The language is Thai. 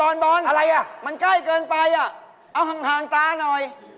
โอ๊ยบอนมันใกล้เกินไปเอาหางตาหน่อย